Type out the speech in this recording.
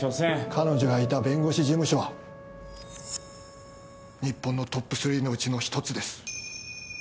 彼女がいた弁護士事務所は日本のトップ３のうちの一つです。